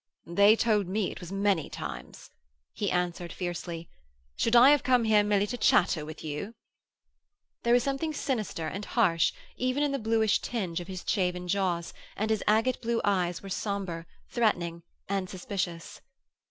'They told me it was many times,' he answered fiercely. 'Should I have come here merely to chatter with you?' There was something sinister and harsh even in the bluish tinge of his shaven jaws, and his agate blue eyes were sombre, threatening and suspicious.